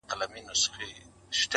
تر دې اوښکو څڅېدو به ډېر ډېر ښۀ شي